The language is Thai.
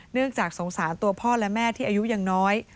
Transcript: เนื่องจากสงสารตัวพ่อและแม่ที่อายุยังน้อย